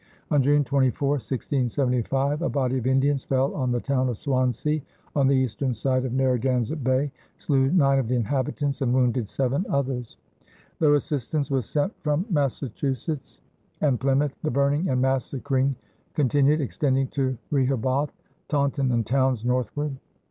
On June 24, 1675, a body of Indians fell on the town of Swansea, on the eastern side of Narragansett Bay, slew nine of the inhabitants and wounded seven others. Though assistance was sent from Massachusetts and Plymouth, the burning and massacring continued, extending to Rehoboth, Taunton, and towns northward.